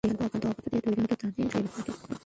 যে অখ্যাদ্য অপথ্য তৈরি হত, তা দিয়ে জোর করে পেট ভরাত।